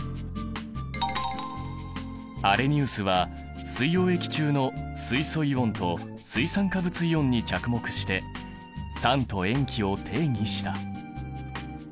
アレニウスは水溶液中の水素イオンと水酸化物イオンに着目して酸と塩基を定義した。